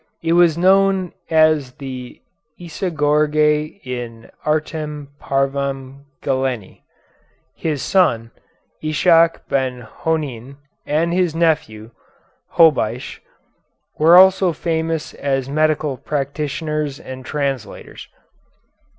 It was known as the "Isagoge in Artem Parvam Galeni." His son, Ishac Ben Honein, and his nephew, Hobeisch, were also famous as medical practitioners and translators.